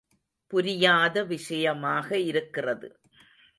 புரியாத விஷயமாக இருக்கிறது.